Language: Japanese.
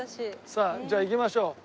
さあじゃあ行きましょう。